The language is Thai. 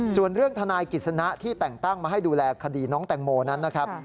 ส่วนเรื่องทนายกิจสนะที่แต่งตั้งมาให้ดูแลคดีน้องแตงโมนั้นนะครับ